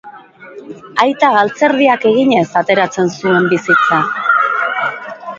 Aita galtzerdiak eginez ateratzen zuen bizitza.